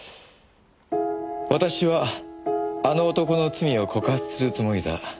「私はあの男の罪を告発するつもりだ」